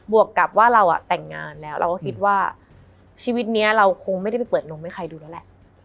วกกับว่าเราแต่งงานแล้วเราก็คิดว่าชีวิตนี้เราคงไม่ได้ไปเปิดนมให้ใครดูแล้วแหละ